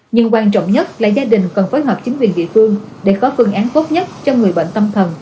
nhưng quan trọng nhất là gia đình cần phối hợp chính quyền địa phương để có phương án tốt nhất cho người bệnh tâm thần